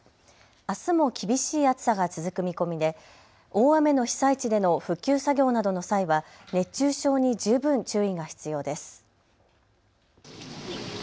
あすも厳しい暑さが続く見込みで大雨の被災地での復旧作業などの際は熱中症に十分注意が必要です。